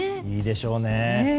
いいでしょうね。